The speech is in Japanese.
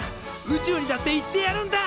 宇宙にだって行ってやるんだ！